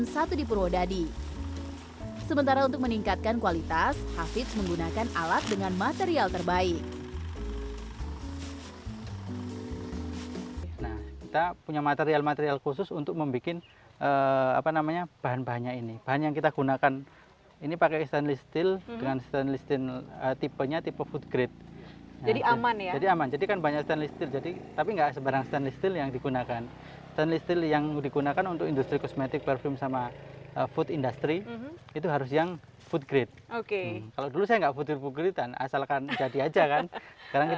kemudian dibawa kesini dimasukkan ke botol kecil seperti ini atau ada proses lain untuk masuk kesini